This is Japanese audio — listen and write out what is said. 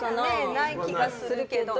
ない気がするけど。